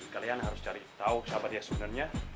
kalian harus cari tahu siapa dia sebenarnya